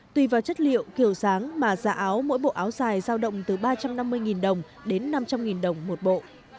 tùy vào chất liệu kiểu dáng mà dạ áo mỗi bộ áo dài giao động từ ba trăm năm mươi đồng đến năm trăm linh đồng một bộ